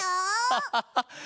ハハハハハ。